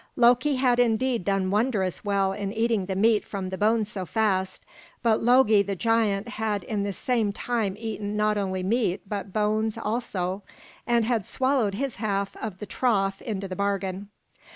Loki had indeed done wondrous well in eating the meat from the bones so fast; but Logi, the giant, had in the same time eaten not only meat but bones also, and had swallowed his half of the trough into the bargain.